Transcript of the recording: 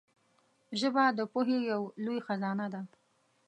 ژبه د پوهې یو لوی خزانه ده